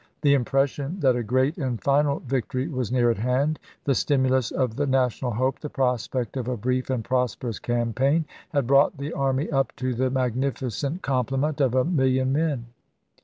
The impression that a great and final victory was near at hand, the stimulus of the national hope, the prospect of a brief and prosperous campaign, had brought the army up to the magnificent complement of a million men.